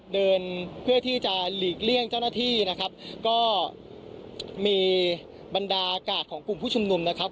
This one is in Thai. เดินเพื่อที่จะหลีกเลี่ยงเจ้าหน้าที่นะครับก็มีบรรดากาดของกลุ่มผู้ชุมนุมนะครับ